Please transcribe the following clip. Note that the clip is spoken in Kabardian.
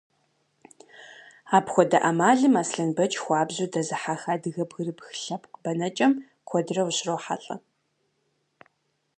Апхуэдэ ӏэмалым Аслъэнбэч хуабжьу дэзыхьэх адыгэ бгырыпх лъэпкъ бэнэкӏэм куэдрэ ущрохьэлӏэ.